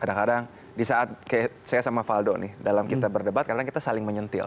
kadang kadang di saat saya sama faldo nih dalam kita berdebat kadang kita saling menyentil